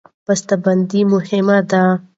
بسته بندي مهمه ده.